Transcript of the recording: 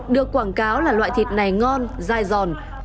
được quảng cáo là loại thịt này ngon dài giòn